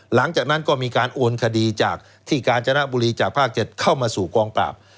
หลังจากนั้นก็มีการโอนคดีจากที่กาญจนบุรีจากภาค๗เข้ามาสู่กองปราบ